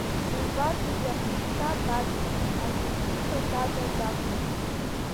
Ибаргәузеи ахҭыԥшша Бадӷа, акадифа тата дықәтәоуп.